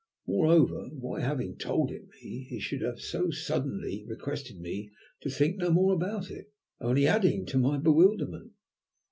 Moreover, why, having told it me, he should have so suddenly requested me to think no more about it, only added to my bewilderment.